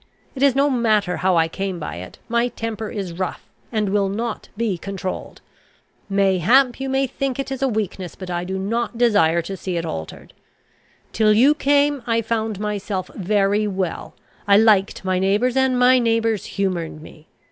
It is no matter how I came by it, my temper is rough, and will not be controlled. Mayhap you may think it is a weakness, but I do not desire to see it altered. Till you came, I found myself very well: I liked my neighbours, and my neighbours humoured me.